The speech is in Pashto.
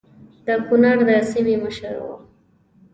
د کنړ د سیمې مشر وو.